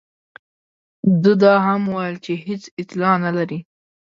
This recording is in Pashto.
ده دا هم وویل چې هېڅ اطلاع نه لري.